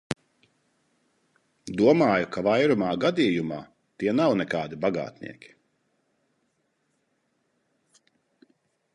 Domāju, ka vairumā gadījumā tie nav nekādi bagātnieki.